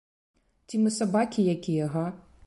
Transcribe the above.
Ці мы сабакі якія, га?